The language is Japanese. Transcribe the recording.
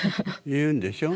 言うんでしょ？